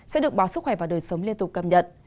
sẽ được báo sức khỏe và đời sống liên tục cầm nhận